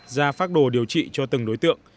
ra phác đồ điều trị cho từng đối tượng